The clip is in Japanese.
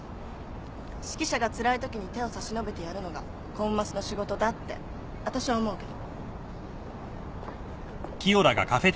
指揮者がつらいときに手を差し伸べてやるのがコンマスの仕事だってわたしは思うけど。